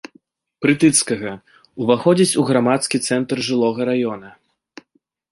Прытыцкага, уваходзіць у грамадскі цэнтр жылога раёна.